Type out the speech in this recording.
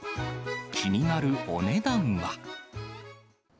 気になるお値段は。